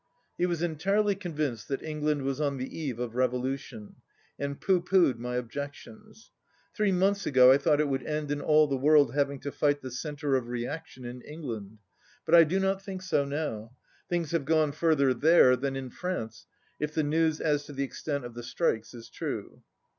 He was entirely convinced that England was on the eve of revolution, and pooh poohed my objections. "Three months ago I thought it would end in all the world having to fight the centre of reaction in England. But I do not think so now. Things have gone further there than in France, if the news as to the extent of the strikes is true."